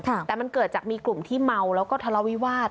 แต่มันเกิดจากมีกลุ่มที่เมาแล้วก็ทะเลาวิวาส